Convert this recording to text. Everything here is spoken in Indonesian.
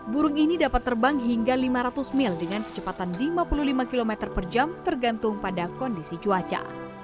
burung ini dapat terbang hingga lima ratus mil dengan kecepatan lima puluh lima km per jam tergantung pada kondisi cuaca